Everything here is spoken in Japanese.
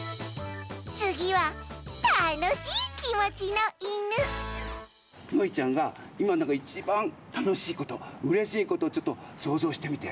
つぎはたのしいきもちのいぬのいちゃんがいまいちばんたのしいことうれしいことをちょっとそうぞうしてみて。